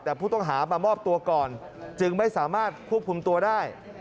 แต่ผู้ต้องหามามอบตัวก่อนจึงไม่สามารถควบคุมตัวได้